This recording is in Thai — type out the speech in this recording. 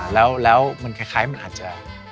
แล้วมันคล้ายมันอาจจะ